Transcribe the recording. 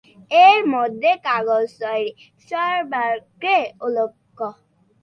এর মধ্যে কাগজ তৈরি সর্বাগ্রে উল্লেখ্য।